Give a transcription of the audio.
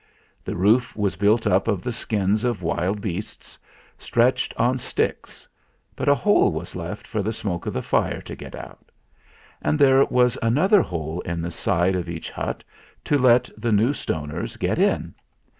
The roof was built up of the skins of wild beasts stretched on sticks, but a hole was left for the smoke of the fire to get out; and there was another hole in the side of each hut to let the New Stoners get in.